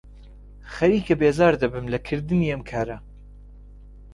خەریکە بێزار دەبم لە کردنی ئەم کارە.